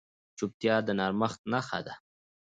چوپتیا، د نرمښت نښه ده.